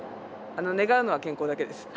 願うのは健康だけです。